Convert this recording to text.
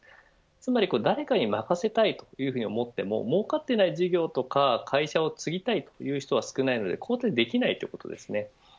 つまり誰かに任せたいと思ってももうかっていない事業や会社を継ぎたい人は少ないので交代できないということです。